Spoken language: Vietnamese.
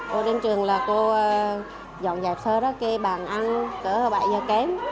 cô đến trường là cô dọn dẹp sơ cái bàn ăn cỡ bảy giờ kém